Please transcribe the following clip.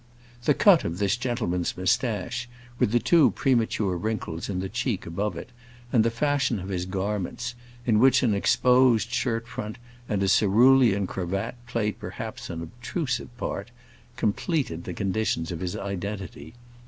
The cut of this gentleman's moustache, with the two premature wrinkles in the cheek above it, and the fashion of his garments, in which an exposed shirt front and a cerulean cravat played perhaps an obtrusive part, completed the conditions of his identity.